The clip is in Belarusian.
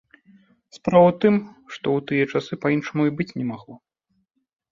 Справа ў тым, што ў тыя часы па-іншаму і быць не магло.